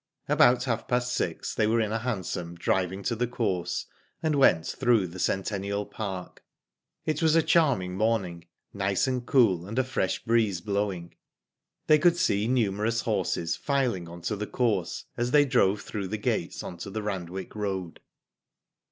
About half past six they were in a hansom, driv* ing to the course, and went through the Centen nial Park. It was a charming morning, nice and cool, and a fresh breeze blowing. They could see numerous horses filing on to the course, as they drove through the gates on to the Rand wick Road.